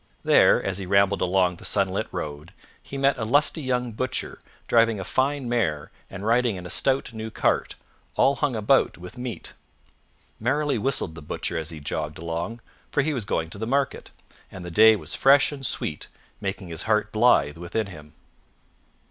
There, as he rambled along the sunlit road, he met a lusty young butcher driving a fine mare and riding in a stout new cart, all hung about with meat. Merrily whistled the Butcher as he jogged along, for he was going to the market, and the day was fresh and sweet, making his heart blithe within him.